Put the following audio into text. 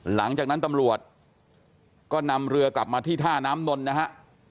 หลังจากนั้นตำรวจก็นำเรือกลับมาที่ท่าน้ำนนท์นะฮะ